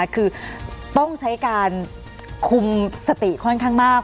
คือต้องใช้การคุมสติค่อนข้างมาก